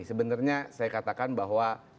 sebenarnya saya katakan bahwa